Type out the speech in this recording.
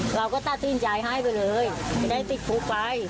เราก็ตัดสินใจให้ไปเลยจะได้ติดคุกไป